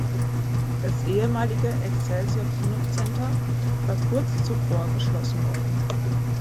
Das ehemalige Excelsior-Kinocenter war kurz zuvor geschlossen worden.